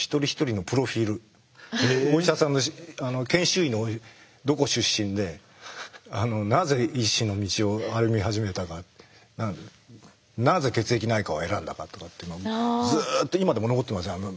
お医者さんの研修医のどこ出身でなぜ医師の道を歩み始めたかなぜ血液内科を選んだかとかってずっと今でも残ってますよ。